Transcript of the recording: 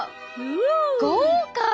豪華！